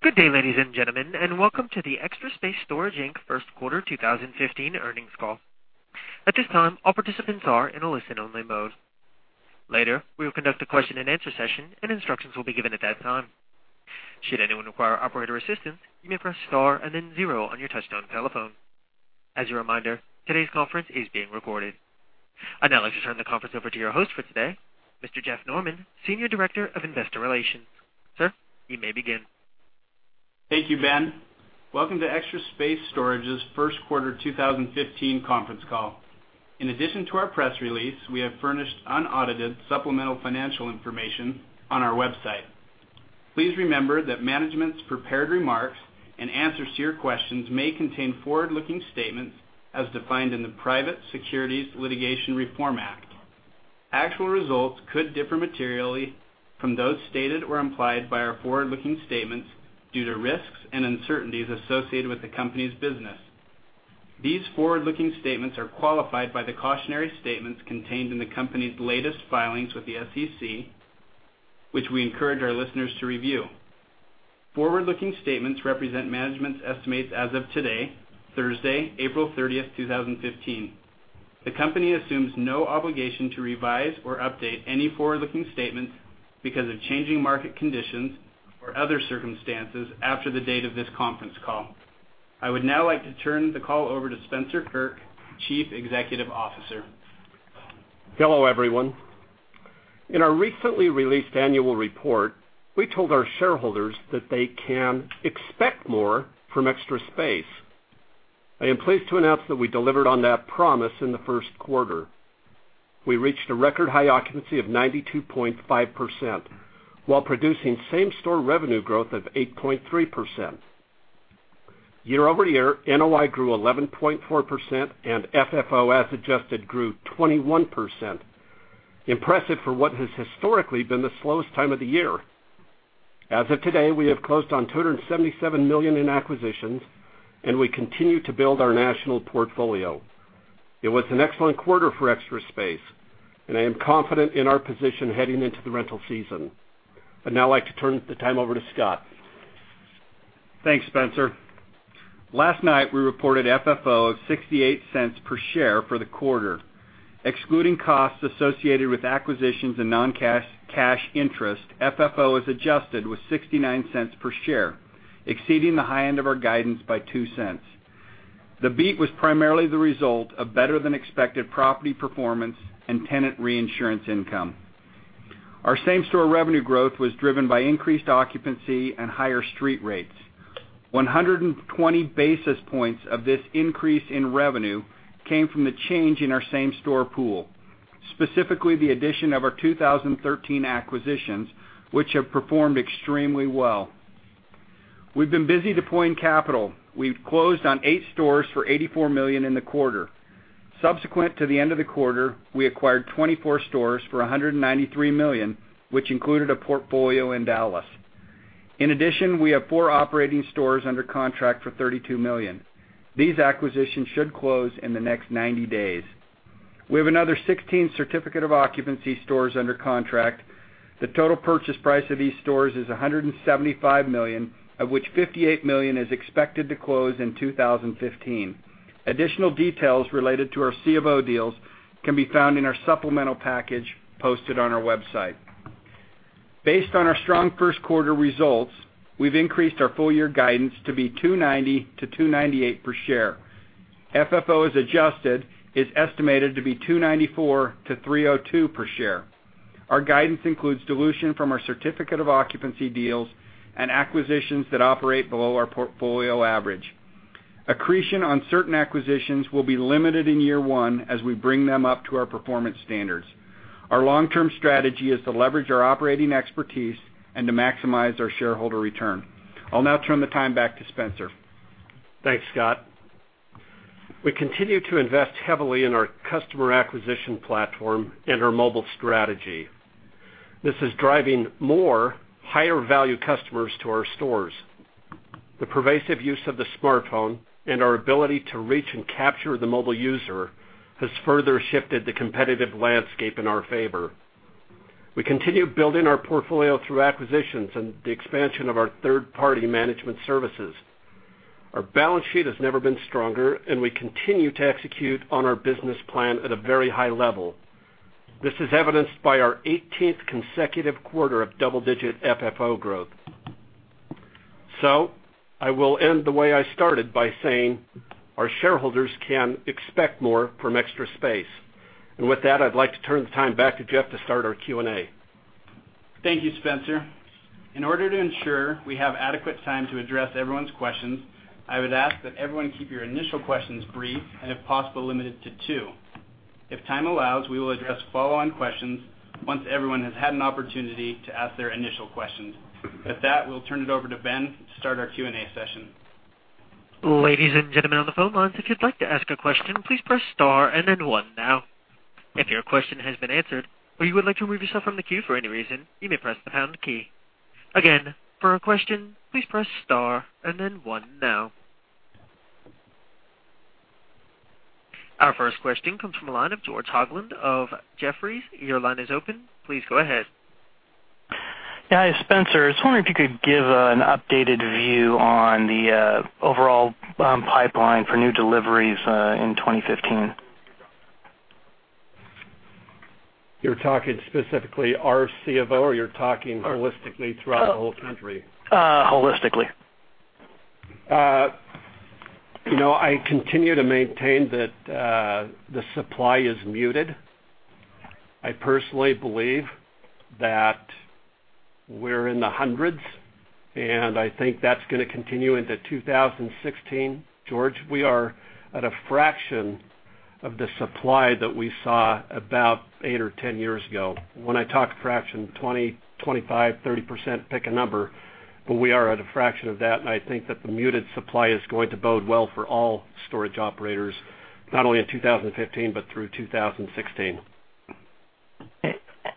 Good day, ladies and gentlemen, welcome to the Extra Space Storage Inc. First Quarter 2015 Earnings Call. At this time, all participants are in a listen-only mode. Later, we will conduct a question-and-answer session. Instructions will be given at that time. Should anyone require operator assistance, you may press star and then zero on your touch-tone telephone. As a reminder, today's conference is being recorded. I'd now like to turn the conference over to your host for today, Mr. Jeff Norman, Senior Director of Investor Relations. Sir, you may begin. Thank you, Ben. Welcome to Extra Space Storage's First Quarter 2015 conference call. In addition to our press release, we have furnished unaudited supplemental financial information on our website. Please remember that management's prepared remarks and answers to your questions may contain forward-looking statements as defined in the Private Securities Litigation Reform Act. Actual results could differ materially from those stated or implied by our forward-looking statements due to risks and uncertainties associated with the company's business. These forward-looking statements are qualified by the cautionary statements contained in the company's latest filings with the SEC. We encourage our listeners to review. Forward-looking statements represent management's estimates as of today, Thursday, April 30th, 2015. The company assumes no obligation to revise or update any forward-looking statements because of changing market conditions or other circumstances after the date of this conference call. I would now like to turn the call over to Spencer Kirk, Chief Executive Officer. Hello, everyone. In our recently released annual report, we told our shareholders that they can expect more from Extra Space. I am pleased to announce that we delivered on that promise in the first quarter. We reached a record high occupancy of 92.5%, while producing same-store revenue growth of 8.3%. Year-over-year, NOI grew 11.4%. FFO as adjusted grew 21%, impressive for what has historically been the slowest time of the year. As of today, we have closed on $277 million in acquisitions. We continue to build our national portfolio. It was an excellent quarter for Extra Space. I am confident in our position heading into the rental season. I'd now like to turn the time over to Scott. Thanks, Spencer. Last night, we reported FFO of $0.68 per share for the quarter. Excluding costs associated with acquisitions and non-cash interest, FFO as adjusted was $0.69 per share, exceeding the high end of our guidance by $0.02. The beat was primarily the result of better-than-expected property performance and tenant reinsurance income. Our same-store revenue growth was driven by increased occupancy and higher street rates. 120 basis points of this increase in revenue came from the change in our same-store pool, specifically the addition of our 2013 acquisitions, which have performed extremely well. We've been busy deploying capital. We've closed on eight stores for $84 million in the quarter. Subsequent to the end of the quarter, we acquired 24 stores for $193 million, which included a portfolio in Dallas. In addition, we have four operating stores under contract for $32 million. These acquisitions should close in the next 90 days. We have another 16 Certificate of Occupancy stores under contract. The total purchase price of these stores is $175 million, of which $58 million is expected to close in 2015. Additional details related to our C of O deals can be found in our supplemental package posted on our website. Based on our strong first quarter results, we've increased our full year guidance to be $2.90-$2.98 per share. FFO as adjusted is estimated to be $2.94-$3.02 per share. Our guidance includes dilution from our Certificate of Occupancy deals and acquisitions that operate below our portfolio average. Accretion on certain acquisitions will be limited in year one as we bring them up to our performance standards. Our long-term strategy is to leverage our operating expertise and to maximize our shareholder return. I'll now turn the time back to Spencer. Thanks, Scott. We continue to invest heavily in our customer acquisition platform and our mobile strategy. This is driving more higher-value customers to our stores. The pervasive use of the smartphone and our ability to reach and capture the mobile user has further shifted the competitive landscape in our favor. We continue building our portfolio through acquisitions and the expansion of our third-party management services. Our balance sheet has never been stronger. We continue to execute on our business plan at a very high level. This is evidenced by our 18th consecutive quarter of double-digit FFO growth. I will end the way I started by saying our shareholders can expect more from Extra Space. With that, I'd like to turn the time back to Jeff to start our Q&A. Thank you, Spencer. In order to ensure we have adequate time to address everyone's questions, I would ask that everyone keep your initial questions brief and, if possible, limited to two. If time allows, we will address follow-on questions once everyone has had an opportunity to ask their initial questions. With that, we'll turn it over to Ben to start our Q&A session. Ladies and gentlemen on the phone lines, if you'd like to ask a question, please press star and then one now. If your question has been answered or you would like to remove yourself from the queue for any reason, you may press the pound key. Again, for a question, please press star and then one now. Our first question comes from the line of George Hoglund of Jefferies. Your line is open. Please go ahead. Yeah. Hi, Spencer. I was wondering if you could give an updated view on the overall pipeline for new deliveries in 2015. You're talking specifically our C of O or you're talking holistically throughout the whole country? Holistically. I continue to maintain that the supply is muted. I personally believe that we're in the hundreds. I think that's going to continue into 2016. George, we are at a fraction of the supply that we saw about eight or 10 years ago. When I talk a fraction, 20%, 25%, 30%, pick a number. We are at a fraction of that. I think that the muted supply is going to bode well for all storage operators, not only in 2015 but through 2016.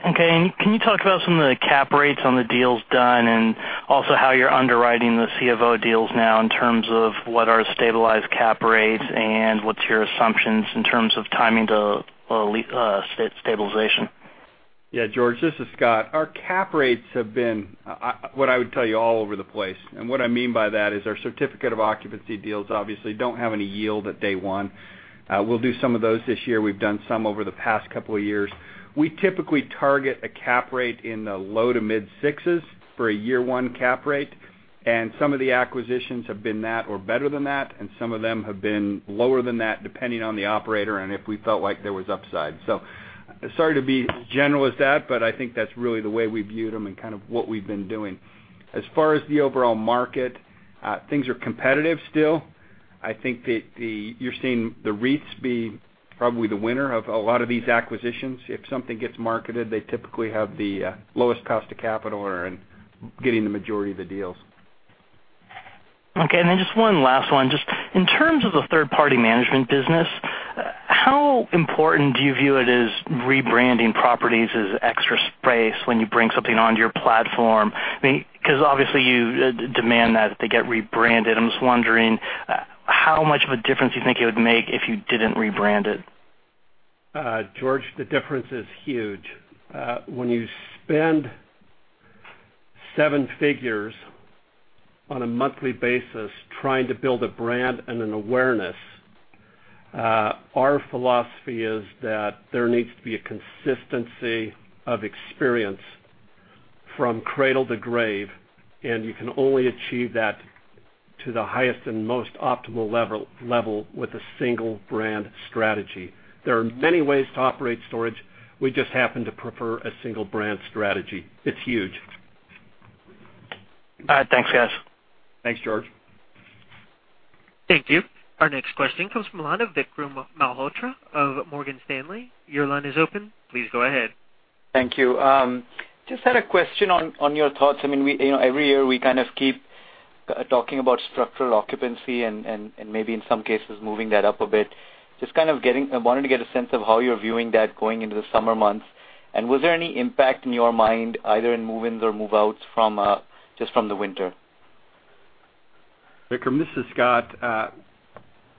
Okay, can you talk about some of the cap rates on the deals done, and also how you're underwriting the C of O deals now in terms of what are stabilized cap rates and what's your assumptions in terms of timing to stabilization? Yeah. George, this is Scott. Our cap rates have been, what I would tell you, all over the place. What I mean by that is our certificate of occupancy deals obviously don't have any yield at day one. We'll do some of those this year. We've done some over the past couple of years. We typically target a cap rate in the low to mid sixes for a year one cap rate, and some of the acquisitions have been that or better than that, and some of them have been lower than that, depending on the operator and if we felt like there was upside. Sorry to be as general as that, but I think that's really the way we viewed them and kind of what we've been doing. As far as the overall market, things are competitive still. I think that you're seeing the REITs be probably the winner of a lot of these acquisitions. If something gets marketed, they typically have the lowest cost of capital and are getting the majority of the deals. Okay. Just one last one. Just in terms of the third-party management business, how important do you view it as rebranding properties as Extra Space when you bring something onto your platform? Obviously, you demand that they get rebranded. I'm just wondering, how much of a difference do you think it would make if you didn't rebrand it? George, the difference is huge. When you spend seven figures on a monthly basis trying to build a brand and an awareness, our philosophy is that there needs to be a consistency of experience from cradle to grave, and you can only achieve that to the highest and most optimal level with a single brand strategy. There are many ways to operate storage. We just happen to prefer a single brand strategy. It's huge. All right. Thanks, guys. Thanks, George. Thank you. Our next question comes from the line of Vikram Malhotra of Morgan Stanley. Your line is open. Please go ahead. Thank you. Just had a question on your thoughts. Every year, we kind of keep talking about structural occupancy and maybe in some cases, moving that up a bit. Just kind of wanted to get a sense of how you're viewing that going into the summer months. Was there any impact in your mind, either in move-ins or move-outs just from the winter? Vikram, this is Scott.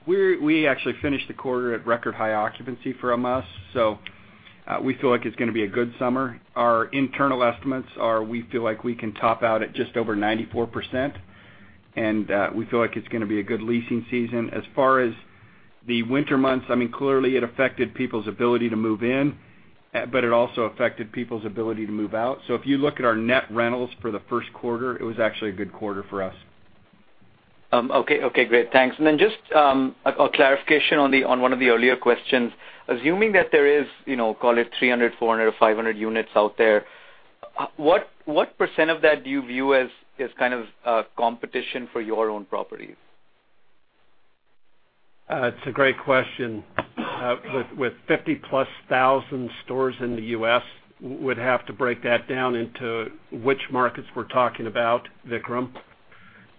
We actually finished the quarter at record high occupancy for a month, we feel like it's going to be a good summer. Our internal estimates are we feel like we can top out at just over 94%, we feel like it's going to be a good leasing season. As far as the winter months, clearly it affected people's ability to move in, but it also affected people's ability to move out. If you look at our net rentals for the first quarter, it was actually a good quarter for us. Okay. Great. Thanks. Just a clarification on one of the earlier questions. Assuming that there is, call it 300, 400 or 500 units out there, what % of that do you view as kind of competition for your own properties? It's a great question. With 50-plus thousand stores in the U.S., we'd have to break that down into which markets we're talking about, Vikram,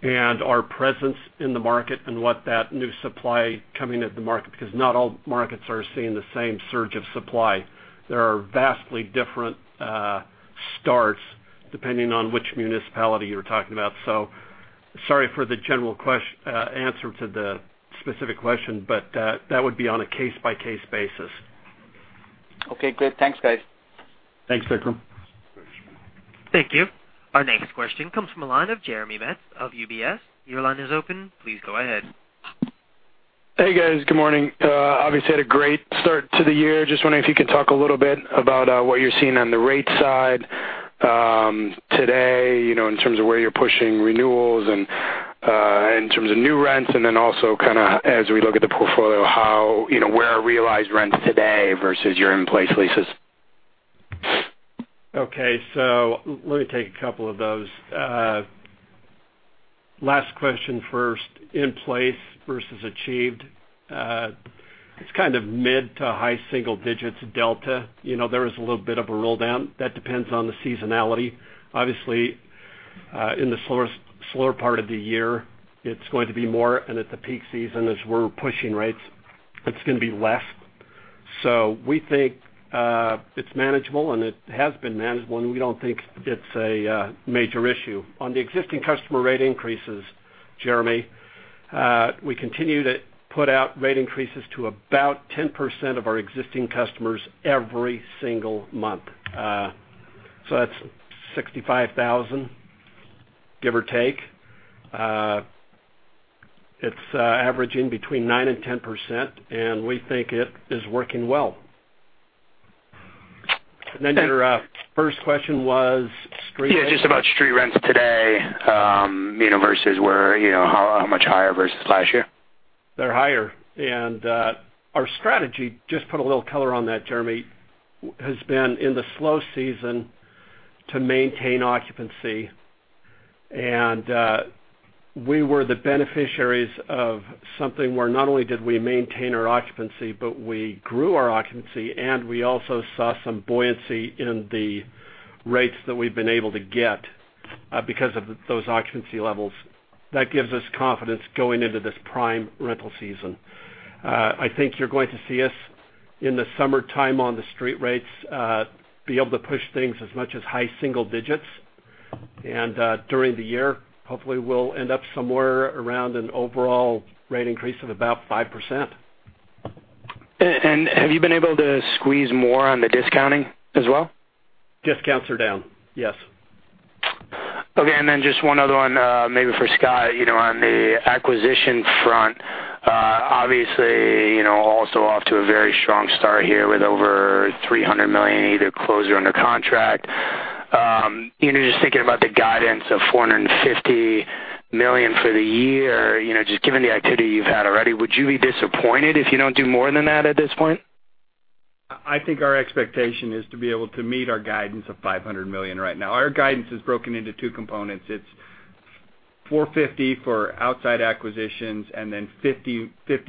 our presence in the market and what that new supply coming into the market, because not all markets are seeing the same surge of supply. There are vastly different starts depending on which municipality you're talking about. Sorry for the general answer to the specific question, but that would be on a case-by-case basis. Okay, great. Thanks, guys. Thanks, Vikram. Thank you. Our next question comes from a line of Jeremy Metz of UBS. Your line is open. Please go ahead. Hey, guys. Good morning. Obviously had a great start to the year. Just wondering if you could talk a little bit about what you're seeing on the rate side, today, in terms of where you're pushing renewals and in terms of new rents, and then also kind of as we look at the portfolio, where are realized rents today versus your in-place leases? Let me take a couple of those. Last question first, in place versus achieved. It's kind of mid-to-high single digits delta. There is a little bit of a roll-down. That depends on the seasonality. Obviously, in the slower part of the year, it's going to be more, and at the peak season, as we're pushing rates, it's going to be less. We think it's manageable, and it has been manageable, and we don't think it's a major issue. On the existing customer rate increases, Jeremy, we continue to put out rate increases to about 10% of our existing customers every single month. That's 65,000, give or take. It's averaging between 9% and 10%, and we think it is working well. Your first question was street rates? Yeah, just about street rents today, versus how much higher versus last year. They're higher. Our strategy, just put a little color on that, Jeremy, has been in the slow season to maintain occupancy. We were the beneficiaries of something where not only did we maintain our occupancy, but we grew our occupancy, and we also saw some buoyancy in the rates that we've been able to get because of those occupancy levels. That gives us confidence going into this prime rental season. I think you're going to see us in the summertime on the street rates, be able to push things as much as high-single digits. During the year, hopefully we'll end up somewhere around an overall rate increase of about 5%. Have you been able to squeeze more on the discounting as well? Discounts are down, yes. Okay. Then just one other one, maybe for Scott, on the acquisition front. Obviously, also off to a very strong start here with over $300 million either closed or under contract. Just thinking about the guidance of $450 million for the year, just given the activity you've had already, would you be disappointed if you don't do more than that at this point? I think our expectation is to be able to meet our guidance of $500 million right now. Our guidance is broken into two components. It's $450 million for outside acquisitions. Then $50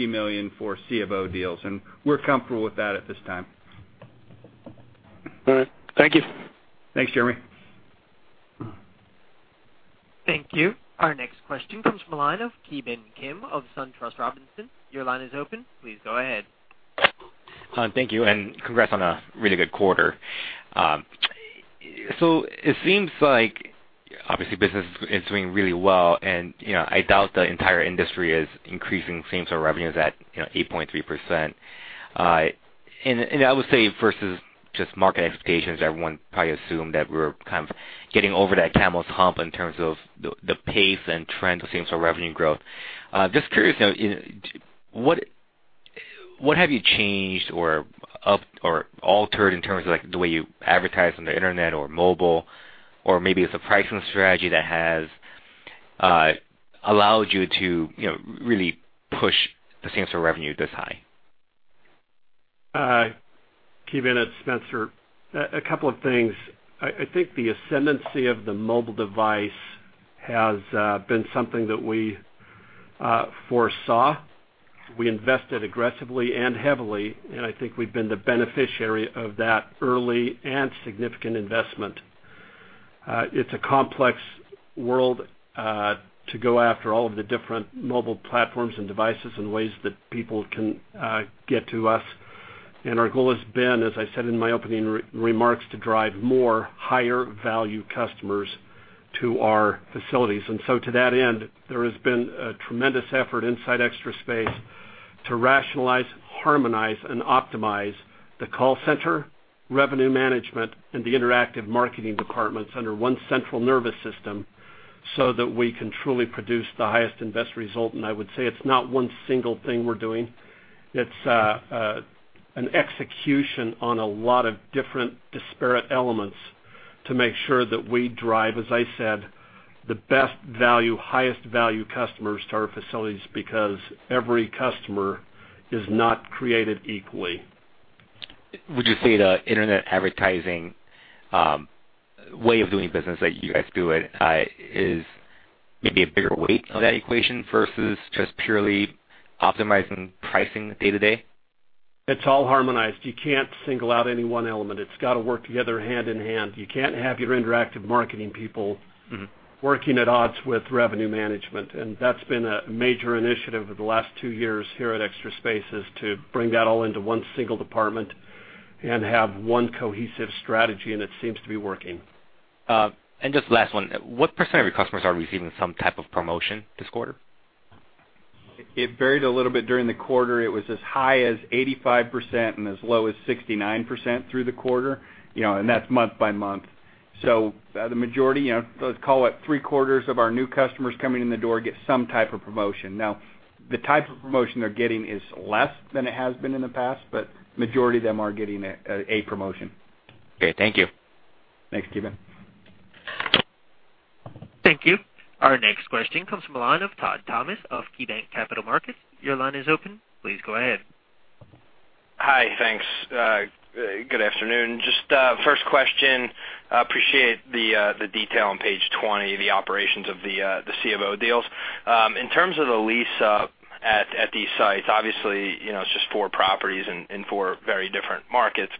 million for C of O deals. We're comfortable with that at this time. All right. Thank you. Thanks, Jeremy. Thank you. Our next question comes from the line of Ki Bin Kim of SunTrust Robinson Humphrey. Your line is open. Please go ahead. Thank you. Congrats on a really good quarter. It seems like, obviously, business is doing really well. I doubt the entire industry is increasing same-store revenues at 8.3%. I would say versus just market expectations, everyone probably assumed that we were kind of getting over that camel's hump in terms of the pace and trend of same-store revenue growth. Just curious, what have you changed or altered in terms of the way you advertise on the internet or mobile, or maybe it's a pricing strategy that has allowed you to really push the same-store revenue this high? Ki Bin, it's Spencer. A couple of things. I think the ascendancy of the mobile device has been something that we foresaw. We invested aggressively and heavily. I think we've been the beneficiary of that early and significant investment. It's a complex world to go after all of the different mobile platforms and devices and ways that people can get to us. Our goal has been, as I said in my opening remarks, to drive more higher-value customers to our facilities. To that end, there has been a tremendous effort inside Extra Space Storage to rationalize, harmonize, and optimize the call center, revenue management, and the interactive marketing departments under one central nervous system so that we can truly produce the highest and best result. I would say it's not one single thing we're doing. It's an execution on a lot of different disparate elements to make sure that we drive, as I said, the best value, highest-value customers to our facilities, because every customer is not created equally. Would you say the internet advertising way of doing business that you guys do is maybe a bigger weight on that equation versus just purely optimizing pricing day-to-day? It's all harmonized. You can't single out any one element. It's got to work together hand in hand. You can't have your interactive marketing people working at odds with revenue management. That's been a major initiative over the last two years here at Extra Space, is to bring that all into one single department and have one cohesive strategy. It seems to be working. Just last one, what % of your customers are receiving some type of promotion this quarter? It varied a little bit during the quarter. It was as high as 85% and as low as 69% through the quarter, and that's month by month. The majority, let's call it three-quarters of our new customers coming in the door, get some type of promotion. Now, the type of promotion they're getting is less than it has been in the past, but majority of them are getting a promotion. Okay. Thank you. Thanks, Ki Bin. Thank you. Our next question comes from the line of Todd Thomas of KeyBanc Capital Markets. Your line is open. Please go ahead. Hi, thanks. Good afternoon. First question, appreciate the detail on page 20, the operations of the C of O deals. In terms of the lease-up at these sites, obviously, it's just four properties in four very different markets,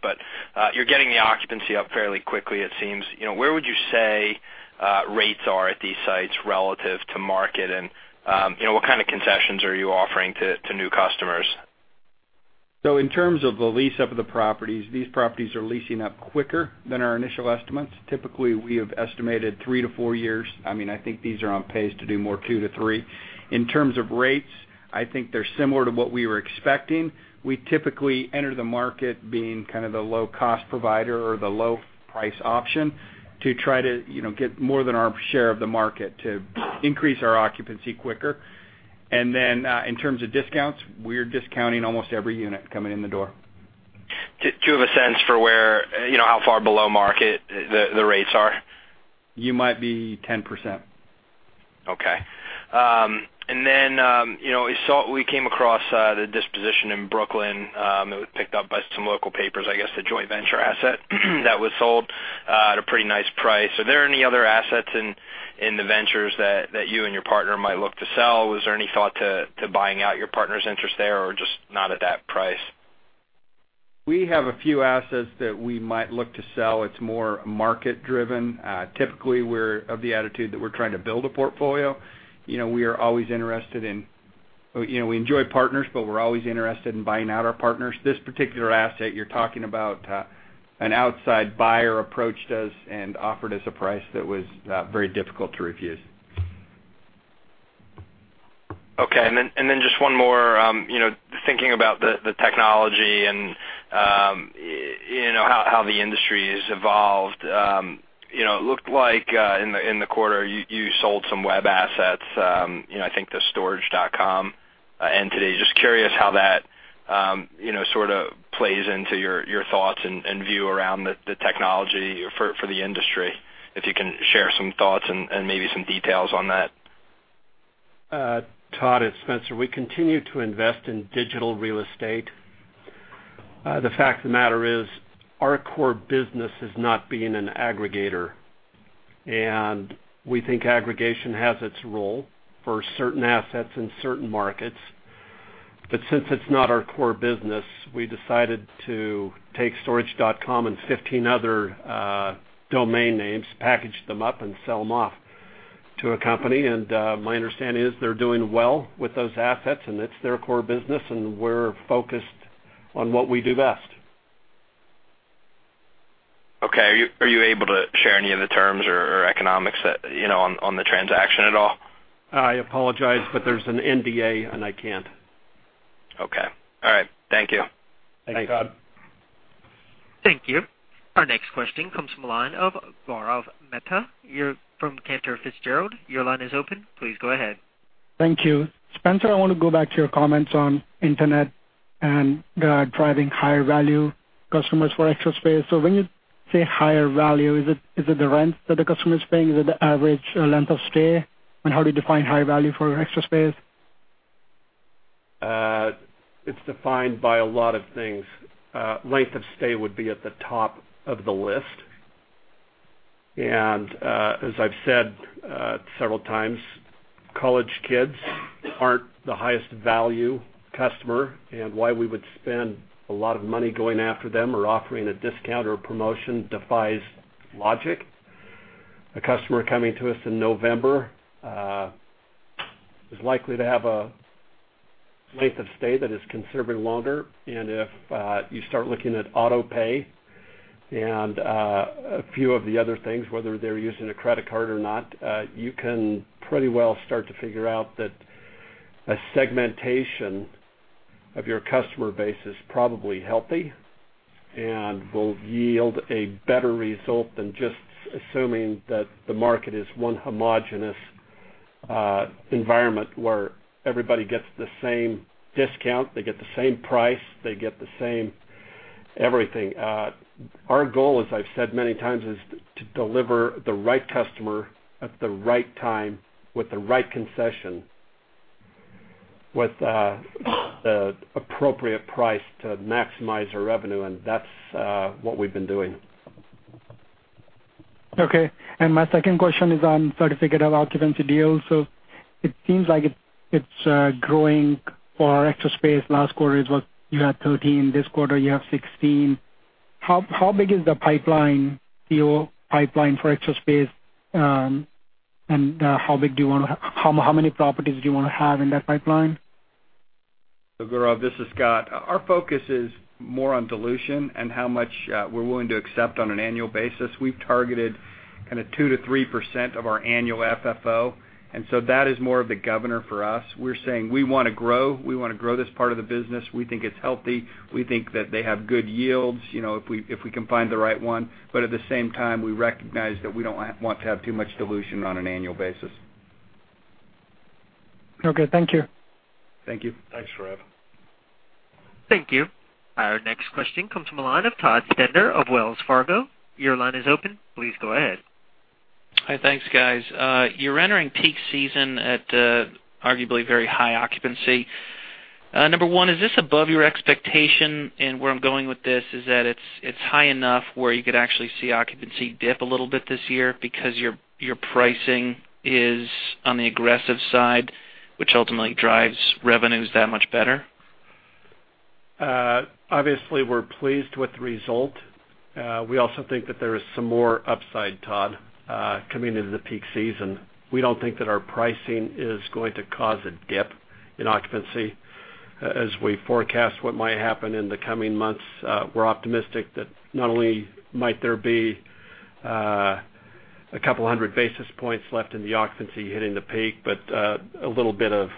you're getting the occupancy up fairly quickly, it seems. Where would you say rates are at these sites relative to market, and what kind of concessions are you offering to new customers? In terms of the lease-up of the properties, these properties are leasing up quicker than our initial estimates. Typically, we have estimated three to four years. I think these are on pace to do more two to three. In terms of rates, I think they're similar to what we were expecting. We typically enter the market being kind of the low-cost provider or the low price option to try to get more than our share of the market to increase our occupancy quicker. Then, in terms of discounts, we're discounting almost every unit coming in the door. To have a sense for how far below market the rates are. You might be 10%. Then we came across the disposition in Brooklyn. It was picked up by some local papers, I guess, the joint venture asset that was sold at a pretty nice price. Are there any other assets in the ventures that you and your partner might look to sell? Was there any thought to buying out your partner's interest there, or just not at that price? We have a few assets that we might look to sell. It's more market-driven. Typically, we're of the attitude that we're trying to build a portfolio. We enjoy partners, but we're always interested in buying out our partners. This particular asset you're talking about, an outside buyer approached us and offered us a price that was very difficult to refuse. Then, just one more, thinking about the technology and how the industry has evolved. It looked like in the quarter you sold some web assets, I think the storage.com entity. Just curious how that sort of plays into your thoughts and view around the technology for the industry, if you can share some thoughts and maybe some details on that. Todd, it's Spencer. We continue to invest in digital real estate. The fact of the matter is, our core business is not being an aggregator. We think aggregation has its role for certain assets in certain markets, but since it's not our core business, we decided to take storage.com and 15 other domain names, package them up and sell them off to a company. My understanding is they're doing well with those assets, and it's their core business, and we're focused on what we do best. Okay. Are you able to share any of the terms or economics on the transaction at all? I apologize, but there's an NDA, and I can't. Okay. All right. Thank you. Thanks, Todd. Thank you. Our next question comes from the line of Gaurav Mehta, from Cantor Fitzgerald. Your line is open. Please go ahead. Thank you. Spencer, I want to go back to your comments on internet and driving higher value customers for Extra Space. When you say higher value, is it the rent that the customer is paying? Is it the average length of stay? How do you define higher value for Extra Space? It's defined by a lot of things. Length of stay would be at the top of the list. As I've said several times, college kids aren't the highest value customer. Why we would spend a lot of money going after them or offering a discount or a promotion defies logic. A customer coming to us in November is likely to have a length of stay that is considerably longer. If you start looking at auto pay and a few of the other things, whether they're using a credit card or not, you can pretty well start to figure out that a segmentation of your customer base is probably healthy and will yield a better result than just assuming that the market is one homogenous environment where everybody gets the same discount, they get the same price, they get the same everything. Our goal, as I've said many times, is to deliver the right customer at the right time with the right concession, with the appropriate price to maximize our revenue, that's what we've been doing. Okay. My second question is on certificate of occupancy deals. It seems like it's growing for Extra Space. Last quarter it was you had 13, this quarter you have 16. How big is the pipeline for Extra Space? How many properties do you want to have in that pipeline? Gaurav, this is Scott. Our focus is more on dilution and how much we're willing to accept on an annual basis. We've targeted kind of 2%-3% of our annual FFO, that is more of the governor for us. We're saying we want to grow. We want to grow this part of the business. We think it's healthy. We think that they have good yields, if we can find the right one. At the same time, we recognize that we don't want to have too much dilution on an annual basis. Okay. Thank you. Thank you. Thanks, Gaurav. Thank you. Our next question comes from the line of Todd Stender of Wells Fargo. Your line is open. Please go ahead. Hi. Thanks, guys. You're entering peak season at arguably very high occupancy. Number 1, is this above your expectation? Where I'm going with this is that it's high enough where you could actually see occupancy dip a little bit this year because your pricing is on the aggressive side, which ultimately drives revenues that much better. Obviously, we're pleased with the result. We also think that there is some more upside, Todd, coming into the peak season. We don't think that our pricing is going to cause a dip in occupancy. As we forecast what might happen in the coming months, we're optimistic that not only might there be a couple hundred basis points left in the occupancy hitting the peak, but a little bit of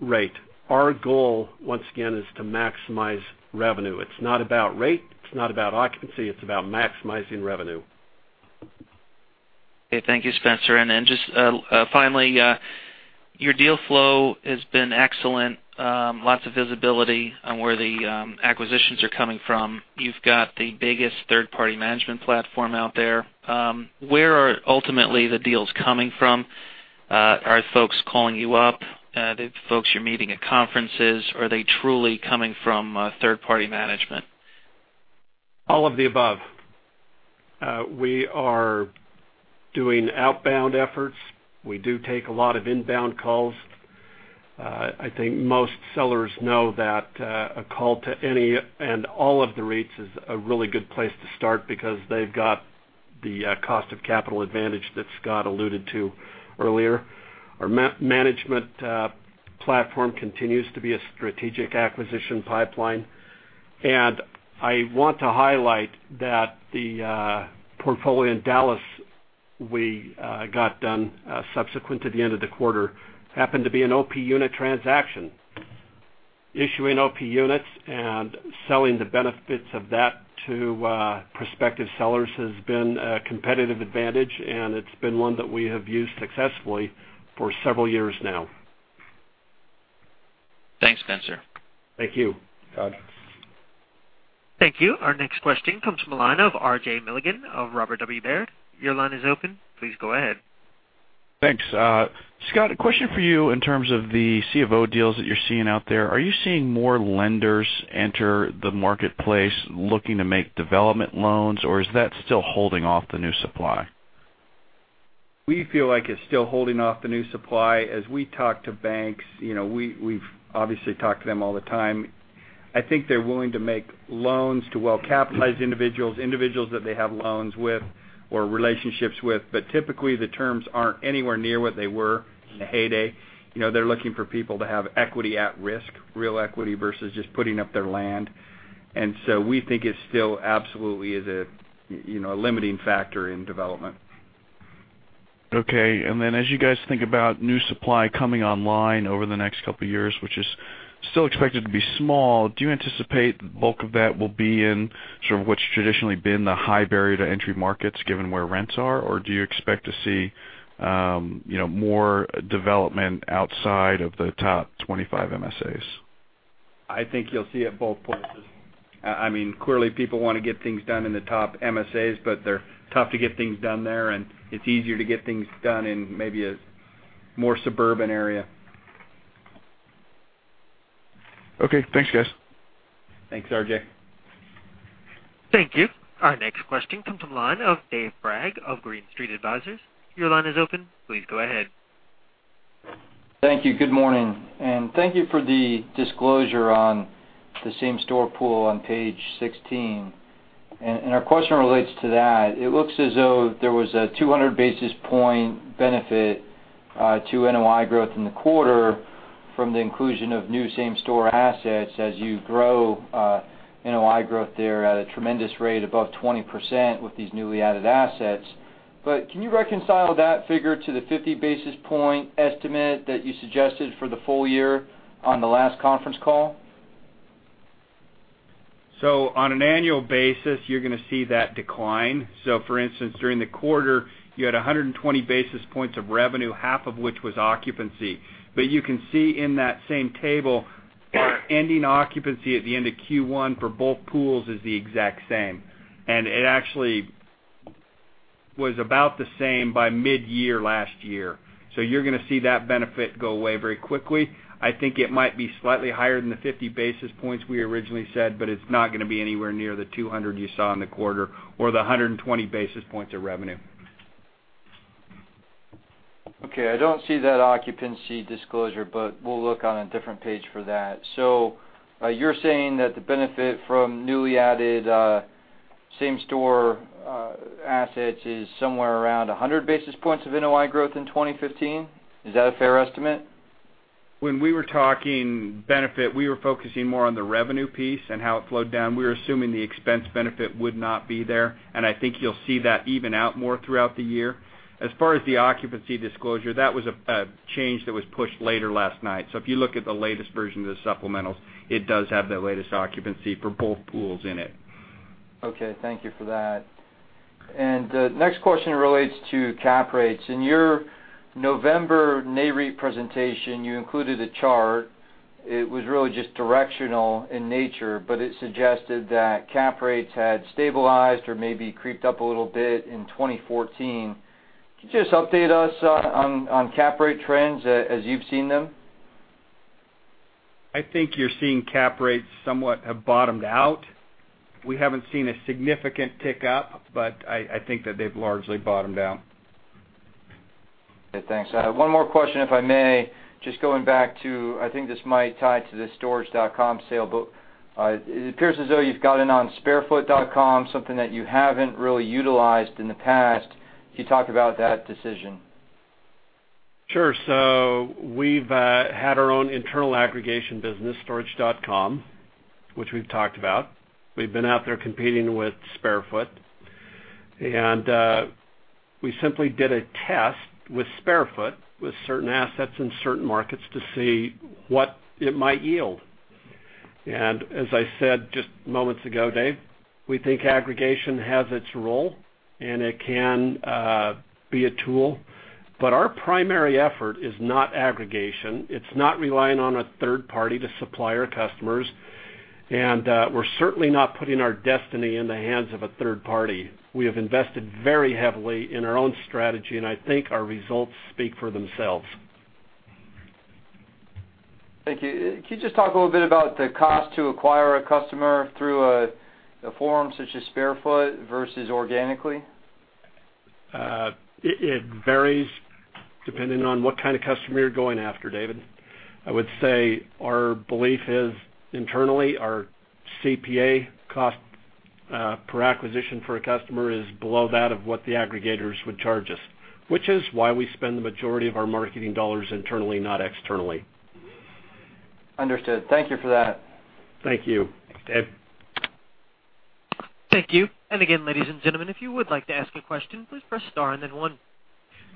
rate. Our goal, once again, is to maximize revenue. It's not about rate, it's not about occupancy, it's about maximizing revenue. Thank you, Spencer. Just finally, your deal flow has been excellent. Lots of visibility on where the acquisitions are coming from. You've got the biggest third-party management platform out there. Where are ultimately the deals coming from? Are folks calling you up? The folks you're meeting at conferences, are they truly coming from third-party management? All of the above. We are doing outbound efforts. We do take a lot of inbound calls. I think most sellers know that a call to any and all of the REITs is a really good place to start, because they've got the cost of capital advantage that Scott alluded to earlier. Our management platform continues to be a strategic acquisition pipeline. I want to highlight that the portfolio in Dallas we got done subsequent to the end of the quarter, happened to be an OP unit transaction. Issuing OP units and selling the benefits of that to prospective sellers has been a competitive advantage, and it's been one that we have used successfully for several years now. Thanks, Spencer. Thank you, Todd. Thank you. Our next question comes from the line of RJ Milligan of Robert W. Baird. Your line is open. Please go ahead. Thanks. Scott, a question for you in terms of the C of O deals that you're seeing out there. Are you seeing more lenders enter the marketplace looking to make development loans, or is that still holding off the new supply? We feel like it's still holding off the new supply. As we talk to banks, we've obviously talked to them all the time. I think they're willing to make loans to well-capitalized individuals that they have loans with or relationships with. Typically, the terms aren't anywhere near what they were in the heyday. They're looking for people to have equity at risk, real equity versus just putting up their land. We think it still absolutely is a limiting factor in development. Okay. As you guys think about new supply coming online over the next couple of years, which is still expected to be small, do you anticipate the bulk of that will be in sort of what's traditionally been the high barrier to entry markets, given where rents are? Do you expect to see more development outside of the top 25 MSAs? I think you'll see it both places. Clearly, people want to get things done in the top MSAs, but they're tough to get things done there, and it's easier to get things done in maybe a more suburban area. Okay, thanks guys. Thanks, RJ. Thank you. Our next question comes from the line of Dave Bragg of Green Street Advisors. Your line is open. Please go ahead. Thank you. Good morning, and thank you for the disclosure on the same-store pool on page 16. Our question relates to that. It looks as though there was a 200 basis point benefit to NOI growth in the quarter, from the inclusion of new same-store assets as you grow NOI growth there at a tremendous rate above 20% with these newly added assets. Can you reconcile that figure to the 50 basis point estimate that you suggested for the full year on the last conference call? On an annual basis, you're going to see that decline. For instance, during the quarter, you had 120 basis points of revenue, half of which was occupancy. You can see in that same table, our ending occupancy at the end of Q1 for both pools is the exact same. It actually was about the same by mid-year last year. You're going to see that benefit go away very quickly. I think it might be slightly higher than the 50 basis points we originally said, but it's not going to be anywhere near the 200 you saw in the quarter or the 120 basis points of revenue. Okay. I don't see that occupancy disclosure, but we'll look on a different page for that. You're saying that the benefit from newly added same-store assets is somewhere around 100 basis points of NOI growth in 2015? Is that a fair estimate? When we were talking benefit, we were focusing more on the revenue piece and how it flowed down. We were assuming the expense benefit would not be there, and I think you'll see that even out more throughout the year. As far as the occupancy disclosure, that was a change that was pushed later last night. If you look at the latest version of the supplementals, it does have the latest occupancy for both pools in it. Okay, thank you for that. The next question relates to cap rates. In your November Nareit presentation, you included a chart. It was really just directional in nature, but it suggested that cap rates had stabilized or maybe creeped up a little bit in 2014. Could you just update us on cap rate trends as you've seen them? I think you're seeing cap rates somewhat have bottomed out. We haven't seen a significant tick up, but I think that they've largely bottomed out. Thanks. I have one more question, if I may. Just going back to, I think this might tie to the storage.com sale, but it appears as though you've got in on SpareFoot.com, something that you haven't really utilized in the past. Can you talk about that decision? Sure. We've had our own internal aggregation business, storage.com, which we've talked about. We've been out there competing with SpareFoot, and we simply did a test with SpareFoot with certain assets in certain markets to see what it might yield. As I said just moments ago, Dave, we think aggregation has its role and it can be a tool, but our primary effort is not aggregation. It's not relying on a third party to supply our customers, and we're certainly not putting our destiny in the hands of a third party. We have invested very heavily in our own strategy, and I think our results speak for themselves. Thank you. Can you just talk a little bit about the cost to acquire a customer through a forum such as SpareFoot versus organically? It varies depending on what kind of customer you're going after, David. I would say our belief is internally, our CPA cost per acquisition for a customer is below that of what the aggregators would charge us, which is why we spend the majority of our marketing dollars internally, not externally. Understood. Thank you for that. Thank you. Thanks, Dave. Thank you. Again, ladies and gentlemen, if you would like to ask a question, please press star and then one.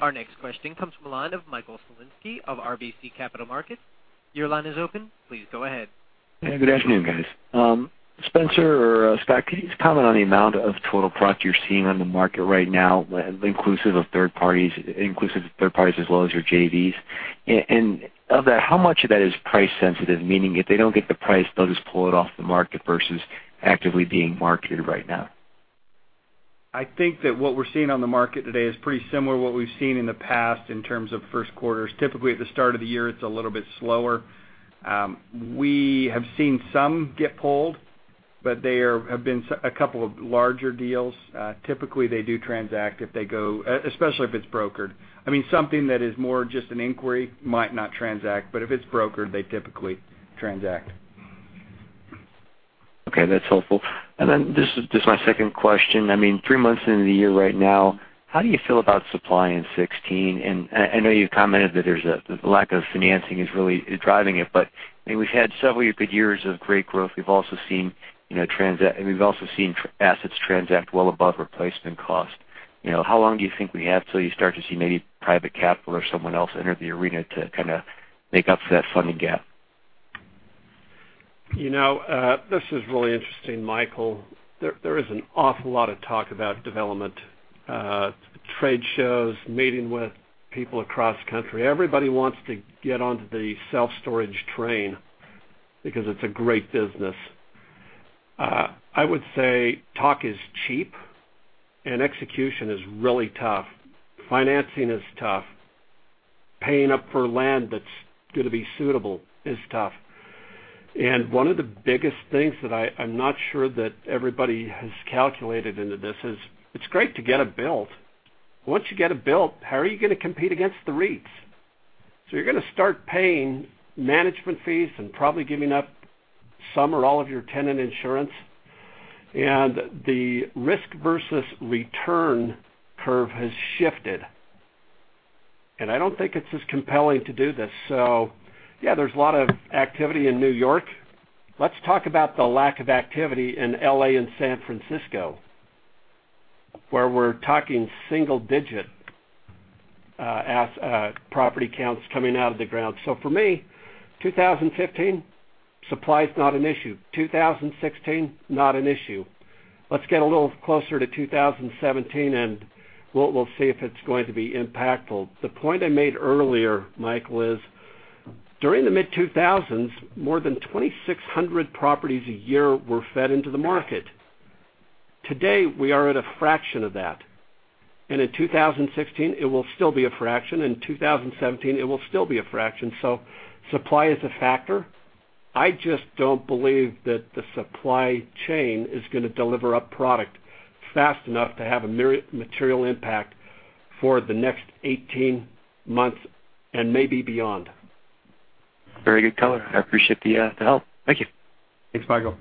Our next question comes from the line of Michael Salinsky of RBC Capital Markets. Your line is open. Please go ahead. Good afternoon, guys. Spencer or Scott, could you just comment on the amount of total product you're seeing on the market right now, inclusive of third parties as well as your JVs? Of that, how much of that is price sensitive, meaning if they don't get the price, they'll just pull it off the market versus actively being marketed right now? I think that what we're seeing on the market today is pretty similar to what we've seen in the past in terms of first quarters. Typically, at the start of the year, it's a little bit slower. We have seen some get pulled, there have been a couple of larger deals. Typically, they do transact, especially if it's brokered. Something that is more just an inquiry might not transact, if it's brokered, they typically transact. Okay, that's helpful. This is just my second question. Three months into the year right now, how do you feel about supply in 2016? I know you've commented that the lack of financing is really driving it. We've had several good years of great growth. We've also seen assets transact well above replacement cost. How long do you think we have till you start to see maybe private capital or someone else enter the arena to kind of make up for that funding gap? This is really interesting, Michael. There is an awful lot of talk about development, trade shows, meeting with people across country. Everybody wants to get onto the self-storage train because it's a great business. I would say talk is cheap and execution is really tough. Financing is tough. Paying up for land that's going to be suitable is tough. One of the biggest things that I'm not sure that everybody has calculated into this is, it's great to get it built. Once you get it built, how are you going to compete against the REITs? You're going to start paying management fees and probably giving up some or all of your tenant insurance. The risk versus return curve has shifted, and I don't think it's as compelling to do this. Yeah, there's a lot of activity in New York. Let's talk about the lack of activity in L.A. and San Francisco, where we're talking single-digit property counts coming out of the ground. For me, 2015, supply is not an issue. 2016, not an issue. Let's get a little closer to 2017 and we'll see if it's going to be impactful. The point I made earlier, Michael, is during the mid-2000s, more than 2,600 properties a year were fed into the market. Today, we are at a fraction of that. In 2016, it will still be a fraction. In 2017, it will still be a fraction. Supply is a factor. I just don't believe that the supply chain is going to deliver up product fast enough to have a material impact for the next 18 months and maybe beyond. Very good color. I appreciate the help. Thank you. Thanks, Michael.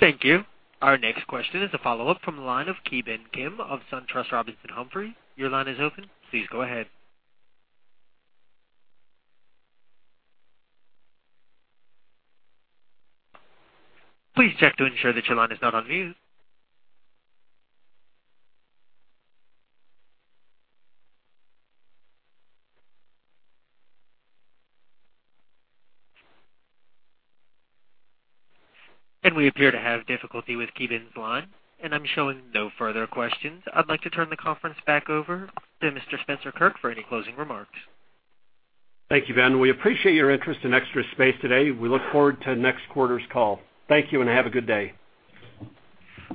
Thank you. Our next question is a follow-up from the line of Ki Bin Kim of SunTrust Robinson Humphrey. Your line is open. Please go ahead. Please check to ensure that your line is not on mute. We appear to have difficulty with Ki Bin's line, and I'm showing no further questions. I'd like to turn the conference back over to Mr. Spencer Kirk for any closing remarks. Thank you, Ben. We appreciate your interest in Extra Space today. We look forward to next quarter's call. Thank you, and have a good day.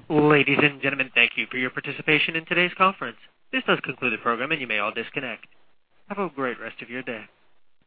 Ladies and gentlemen, thank you for your participation in today's conference. This does conclude the program, and you may all disconnect. Have a great rest of your day.